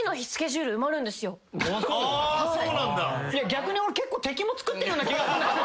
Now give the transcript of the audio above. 逆に俺結構敵もつくってるような気が。